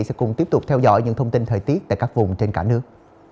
sẽ cùng tiếp tục theo dõi những thông tin thời tiết tại các vùng trên cả nước